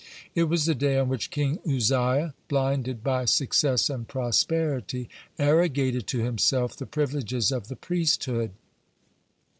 It was the day on which King Uzziah, blinded by success and prosperity, arrogated to himself the privileges of the priesthood.